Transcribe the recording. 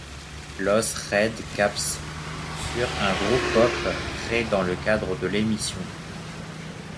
Los Red Cap's furent un groupe pop créé dans le cadre de l’émission.